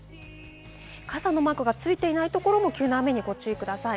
傘のマークがついていないところも急な雨にご注意ください。